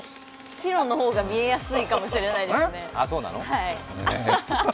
白の方が見えやすいかもしれないですね